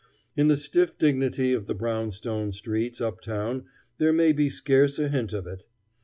In the stiff dignity of the brownstone streets up town there may be scarce a hint of it.